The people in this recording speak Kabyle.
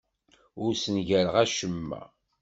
Ur ssengareɣ acemma.